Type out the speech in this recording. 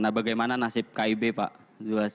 nah bagaimana nasib kib pak zubas